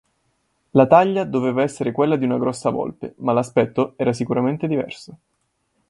La taglia doveva essere quella di una grossa volpe, ma l'aspetto era sicuramente diverso.